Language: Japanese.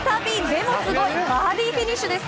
でもすごいバーディーフィニッシュ。